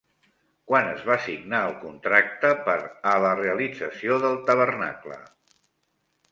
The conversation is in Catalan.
Quan es va signar el contracte per a la realització del tabernacle?